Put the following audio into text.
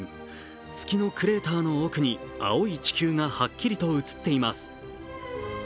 月のクレーターの奥に青い地球がはっきりと写っています。